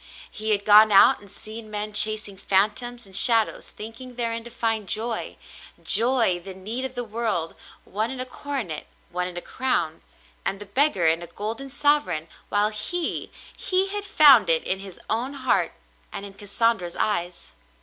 He had gone out and seen men chasing phantoms and shadows thinking therein to find joy — joy — the need of the world — one in a coronet, one in a crown, and the beggar in a golden sovereign — while he — he had found it in his own heart and in Cassandra's eyes.